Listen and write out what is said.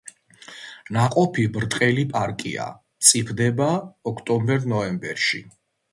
ნაყოფი ბრტყელი პარკია, მწიფდება ოქტომბერ-ნოემბერში.